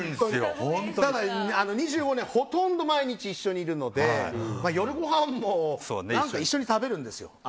ただ２５年ほとんど毎日いるので夜ごはんも一緒に食べるんですよ。